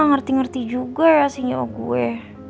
ngerti ngerti juga ya si nyawa gue